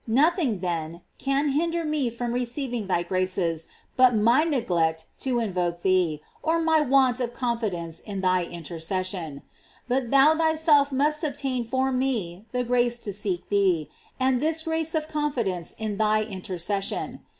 Nothing, then, can hinder me from receiving thy graces but my neglect to invoke thee, or my want of confidence in thy intercession. But thou thyself must obtain for me the grace to seek thee, and this grace of confidence in thy intercession.